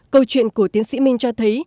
câu chuyện của tiến sĩ minh cho thấy